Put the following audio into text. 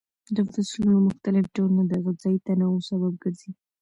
د فصلونو مختلف ډولونه د غذایي تنوع سبب ګرځي.